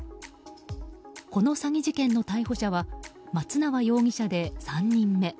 この詐欺事件の逮捕者は松縄容疑者で３人目。